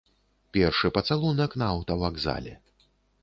Першы пацалунак на аўтавакзале.